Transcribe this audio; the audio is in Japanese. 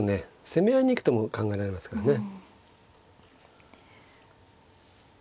攻め合いに行く手も考えられますからね。